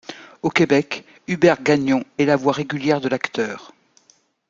Au Québec, Hubert Gagnon est la voix régulière de l'acteur.